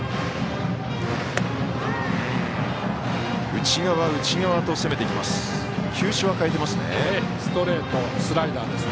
内側、内側と攻めてきます。